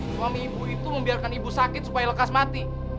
suami ibu itu membiarkan ibu sakit supaya lekas mati